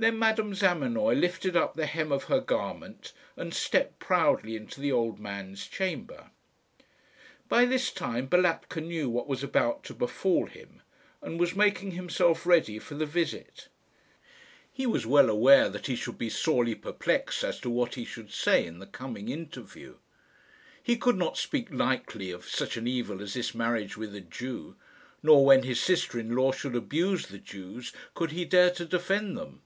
Then Madame Zamenoy lifted up the hem of her garment and stepped proudly into the old man's chamber. By this time Balatka knew what was about to befall him, and was making himself ready for the visit. He was well aware that he should be sorely perplexed as to what he should say in the coming interview. He could not speak lightly of such an evil as this marriage with a Jew; nor when his sister in law should abuse the Jews could he dare to defend them.